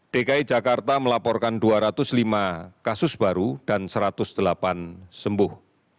dki jakarta melaporkan dua ratus lima kasus baru dan satu ratus delapan sembuh